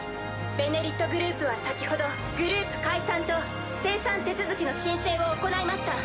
「ベネリット」グループは先ほどグループ解散と清算手続きの申請を行いました。